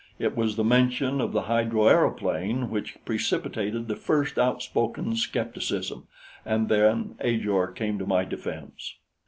It was the mention of the hydroaeroplane which precipitated the first outspoken skepticism, and then Ajor came to my defense.